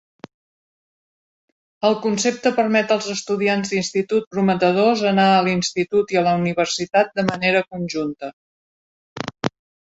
El concepte permet als estudiants d'institut prometedors anar a l'institut i a la universitat de manera conjunta.